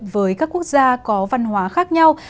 với các quốc gia có văn hóa khác nhau